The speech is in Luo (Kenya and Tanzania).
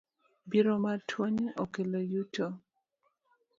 Biro mar tuo ni okelo yuto.